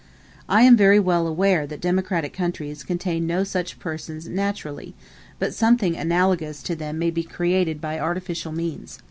I am very well aware that democratic countries contain no such persons naturally; but something analogous to them may be created by artificial means.